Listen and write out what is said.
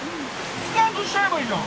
スカウトしちゃえばいいじゃん。